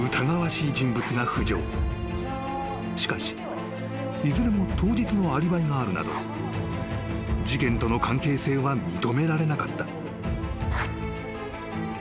［しかしいずれも当日のアリバイがあるなど事件との関係性は認められなかった］